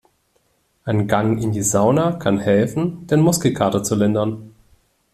Ein Gang in die Sauna kann helfen, den Muskelkater zu lindern.